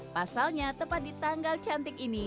pasalnya tepat di tanggal cantik ini